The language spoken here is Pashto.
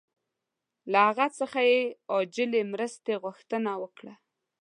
له هغه څخه یې عاجلې مرستې غوښتنه وکړه.